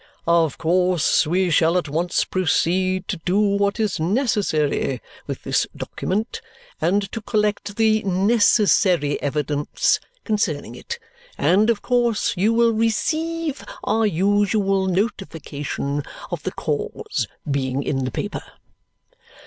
"Of course we shall at once proceed to do what is necessary with this document and to collect the necessary evidence concerning it; and of course you will receive our usual notification of the cause being in the paper."